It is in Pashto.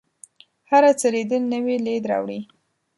هره څیرېدل نوی لید راوړي.